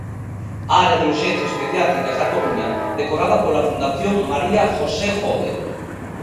A área de urxencias pediátricas da Coruña, decorada pola Fundación María José Jove.